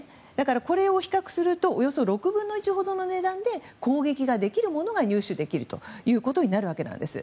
これを比較するとおよそ６分の１ほどの値段で攻撃ができるものが入手できるということになるわけです。